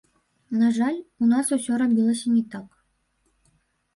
На жаль, у нас усё рабілася не так.